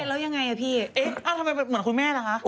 แล้วยังไงพี่ทำไมเหมือนคุณแม่ละคะ